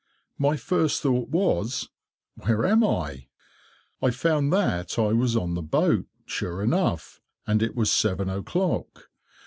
My first thought was, "Where am I?" I found that I was on the boat, sure enough, and it was seven o'clock.